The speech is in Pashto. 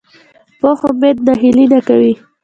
پوخ امید ناهیلي نه کوي